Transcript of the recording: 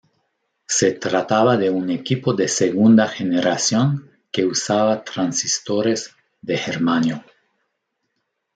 Se trataba de un equipo de segunda generación que usaba transistores de germanio.